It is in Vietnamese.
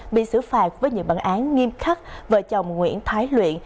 bị xử phạt với những bản án nghiêm khắc vợ chồng nguyễn thái luyện